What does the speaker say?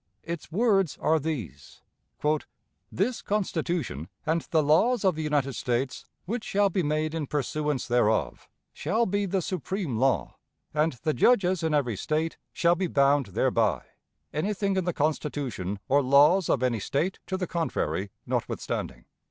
Its words are these: "This Constitution, and the laws of the United States, which shall be made in pursuance thereof, shall be the supreme law, and the judges in every State shall be bound thereby, anything in the Constitution or laws of any State to the contrary notwithstanding.